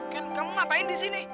kendi kamu ngapain disini